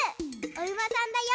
おうまさんだよ！